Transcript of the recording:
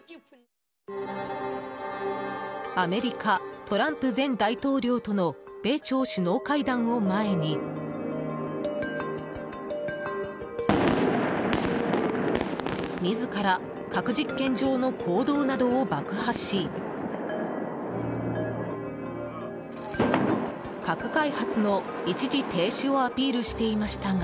アメリカ、トランプ前大統領との米朝首脳会談を前に自ら核実験場の坑道などを爆破し核開発の一時停止をアピールしていましたが